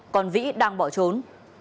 còn vĩ đang bỏ trốn